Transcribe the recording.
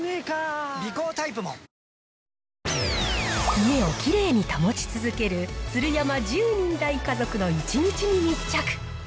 家をきれいに保ち続ける鶴山１０人大家族の１日に密着。